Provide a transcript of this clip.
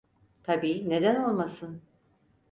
Tabii, neden olmasın?